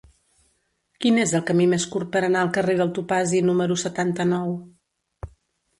Quin és el camí més curt per anar al carrer del Topazi número setanta-nou?